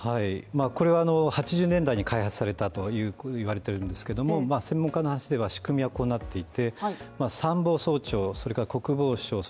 これは８０年代に開発されたといわれているんですけれども専門家の話では仕組みはこうなっています。